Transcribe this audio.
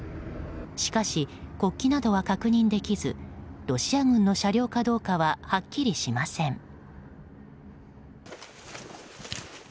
しかし、国旗などは確認できずロシア軍の車両かどうかははっきりしません。